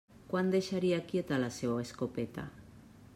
Quan deixaria quieta la seua escopeta?